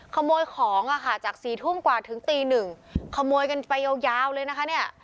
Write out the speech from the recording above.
ขโมยของจาก๔ทุ่มกว่าถึงตี๑ขโมยกันไปยาวเลยนะคะ